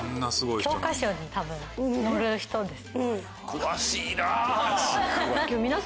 教科書に多分載る人です。